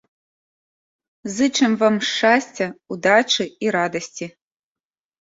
Зычым вам шчасця, удачы і радасці!